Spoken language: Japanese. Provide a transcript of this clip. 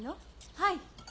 はい。